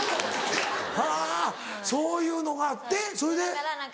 はぁそういうのがあってそれで？